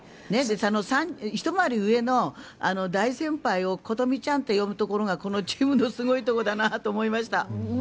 ひと回り上の大先輩を琴美ちゃんと呼ぶところがこのチームのすごいところだなと思いました。